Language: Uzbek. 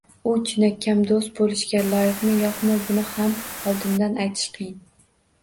U chinakam do‘st bo‘lishga loyiqmi-yo‘qmi – buni ham oldindan aytish qiyin